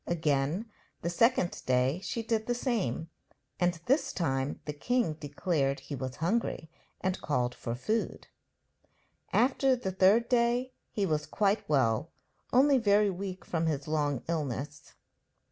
Again the second day she did the same, and this time the king declared he was hungry, and called for food. After the third day he was quite well, only very weak from his long illness.